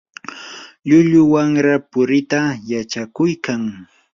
llullu wamra puriita yachakuykan.